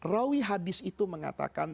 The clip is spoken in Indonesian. rawi hadis itu mengatakan